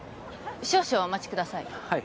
少々お待ちください